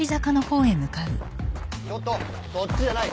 ちょっとそっちじゃない。